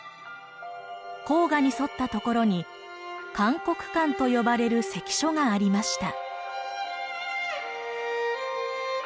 黄河に沿ったところに函谷関と呼ばれる関所がありました。